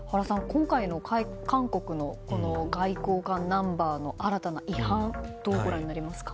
今回の韓国の外交官ナンバーの新たな違反どうご覧になりますか？